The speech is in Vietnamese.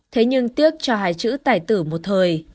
thế nhưng tiếc cho hai chữ tài tử một thời